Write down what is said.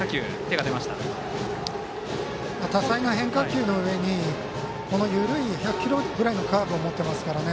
多彩な変化球のうえに緩い１００キロぐらいのカーブを持ってますからね。